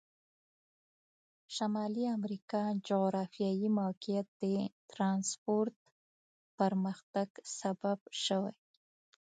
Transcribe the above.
شمالي امریکا جغرافیایي موقعیت د ترانسپورت پرمختګ سبب شوي.